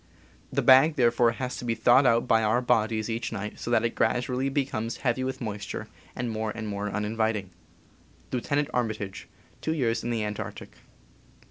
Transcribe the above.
The bag, therefore, has to be thawed 26 CAMPING AND WOODCRAFT out by our bodies each night, so that it gradually becomes heavy with moisture, and more and more uninviting. — Lieut. Armitage, Two Years in the Antarctic.